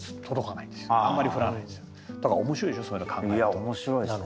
いや面白いですね。